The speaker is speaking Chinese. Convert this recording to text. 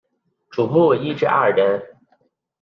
主薄一至二人。